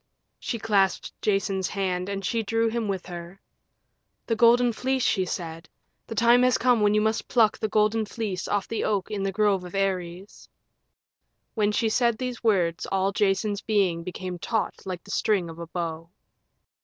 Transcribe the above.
She clasped Jason's hand and she drew him with her. "The Golden Fleece," she said, "the time has come when you must pluck the Golden Fleece off the oak in the grove of Ares." When she said these words all Jason's being became taut like the string of a bow.